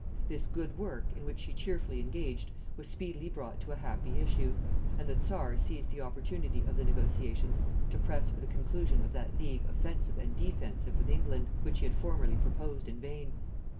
This good work, in which she cheerfully engaged, was speedily brought to a happy issue; and the Czar seized the opportunity of the negotiations to press for the conclusion of that league offensive and defensive with England, which he had formerly proposed in vain.